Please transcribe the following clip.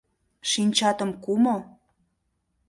— Шинчатым кумо.